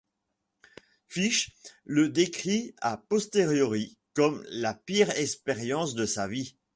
Fish le décrit a posteriori comme la pire expérience de sa vie.